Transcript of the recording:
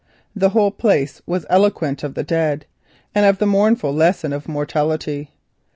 The place was eloquent of the dead and of the mournful lesson of mortality.